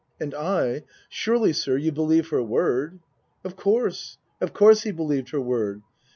And I, " Surely, sir, you believe her word ?" Of course of course he believed her word.